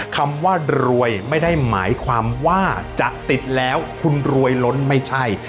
คำว่ารวยไม่ได้หมายความว่าจะติดแล้วคุณรวยล้นไม่ใช่